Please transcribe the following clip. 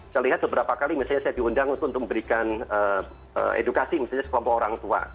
saya lihat beberapa kali misalnya saya diundang untuk memberikan edukasi misalnya sekelompok orang tua